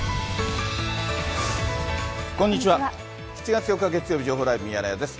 ７月４日月曜日、情報ライブミヤネ屋です。